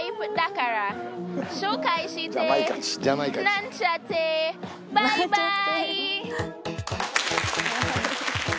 なんちゃってバイバーイ！